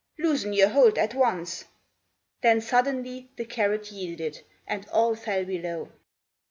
Loosen your hold at once !" Then suddenly The carrot yielded, and all fell below.